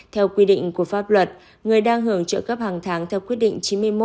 theo quy định của pháp luật người đang hưởng trợ cấp hàng tháng theo quyết định chín mươi một